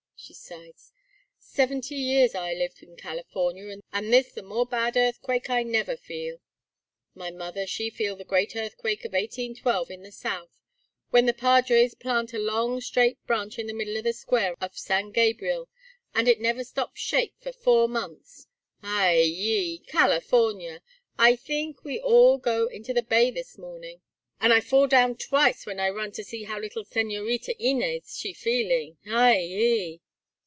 she sighed. "Seventy years I live in California and this the more bad earthquake I never feel. My mother she feel the great earthquake of 1812 in the south, when the padres plant a long straight branch in the middle of the square of San Gabriel, and it never stop shake for four months. Ay yi, California! I theenk we all go into the bay this morning, and I fall down twice when I run to see how little Señorita Inez she feeling. Ay yi!"